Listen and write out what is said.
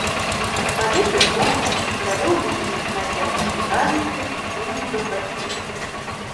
Павесіў трубку, навёў будзільнік на сем гадзін раніцы і кінуўся ў пасцель.